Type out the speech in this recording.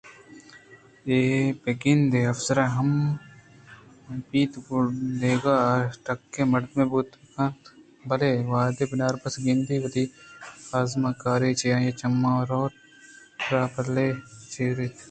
اے بہ گندے افسرے ہم مہ بیت یکءُ دوٹکّہ ءِ مردمے بوت کنت بلئے وہدے بناربس ءَ گندیت وتی ازمکاری ءَ چہ آئیءِ چماں وت ءَ را بلاہے پیش داریت